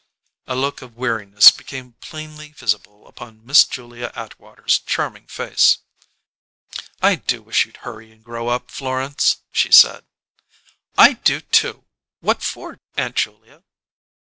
A look of weariness became plainly visible upon Miss Julia Atwater's charming face. "I do wish you'd hurry and grow up, Florence," she said. "I do, too! What for, Aunt Julia?"